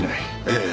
ええ。